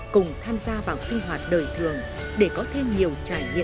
cùng tham gia vào sinh hoạt đời thường để có thêm nhiều trải nghiệm thú vị